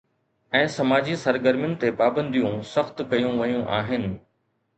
۽ سماجي سرگرمين تي پابنديون سخت ڪيون ويون آهن.